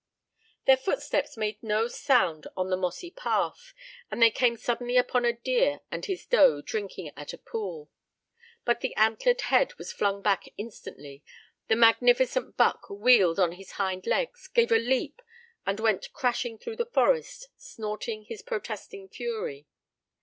Their footsteps made no sound on the mossy path, and they came suddenly upon a deer and his doe drinking at a pool. But the antlered head was flung back instantly, the magnificent buck wheeled on his hind legs, gave a leap and went crashing through the forest snorting his protesting fury.